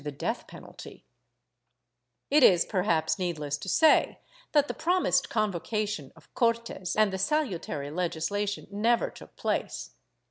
I] DESPOTISM RE ESTABLISHED 423 needless to say that the promised convocation of Cortes and the salutary legislation never took place.